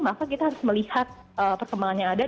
maka kita harus melihat perkembangannya ada